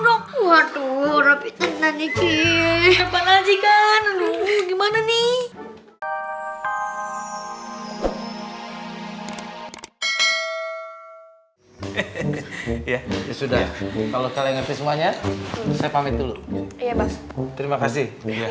dong waduh rapi tenang lagi kan gimana nih ya sudah kalau kalian semuanya terima kasih